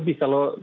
bahkan bisa lebih